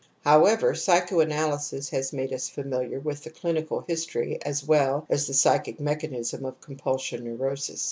However, psychoanalysis has made us familar with the clinical history as well as the psychic mechanism of compulsion neurosis.